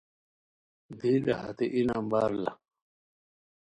دی لہ ہتے ای نمبر لہ